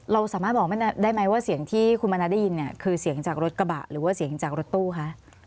เราสามารถบอกได้ไหมว่าเสียงที่คุณมณะได้ยินเนี่ยคือเสียงจากรถกระบะหรือว่าเสียงจากรถตู้คะ